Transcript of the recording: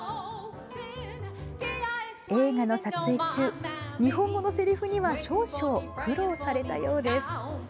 映画の撮影中日本語のせりふには少々苦労されたようです。